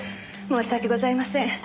申し訳ございません。